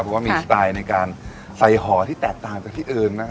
เพราะว่ามีสไตล์ในการใส่หอที่แตกต่างจากที่อื่น